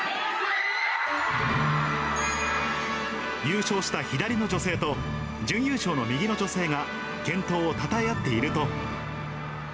優勝した左の女性と、準優勝の右の女性が健闘をたたえ合っていると。